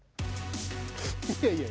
いやいや。